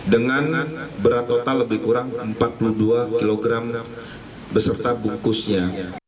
dengan berat total lebih kurang empat puluh dua kg beserta bungkusnya